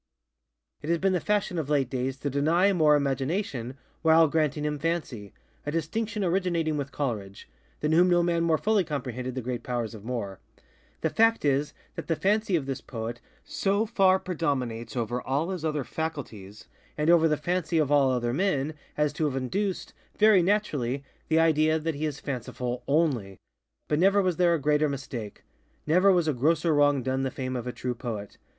It has been the fashion of late days to deny Moore Imagination, while granting him FancyŌĆöa distinction originating with ColeridgeŌĆöthan whom no man more fully comprehended the great powers of Moore. The fact is, that the fancy of this poet so far predominates over all his other faculties, and over the fancy of all other men, as to have induced, very naturally, the idea that he is fanciful _only. _But never was there a greater mistake. Never was a grosser wrong done the fame of a true poet.